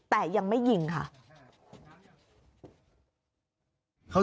แต่ยังไม่ยิงค่ะ